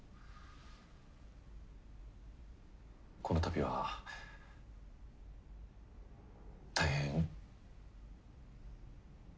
この度は大変。